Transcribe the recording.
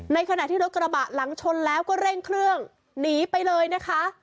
ขณะที่รถกระบะหลังชนแล้วก็เร่งเครื่องหนีไปเลยนะคะ